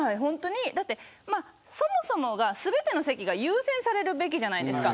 そもそも全ての席が優先されるべきじゃないですか。